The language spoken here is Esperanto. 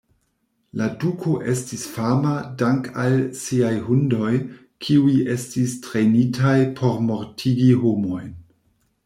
La duko estis fama dank'al siaj hundoj, kiuj estis trejnitaj por mortigi homojn.